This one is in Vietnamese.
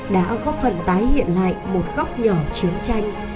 đã góp phần tái hiện lại một góc nhỏ chiến tranh